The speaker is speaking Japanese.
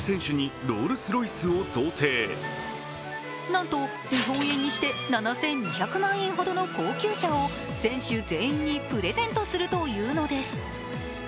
なんと、日本円にして７２００万円ほどの高級車を選手全員にプレゼントするというのです。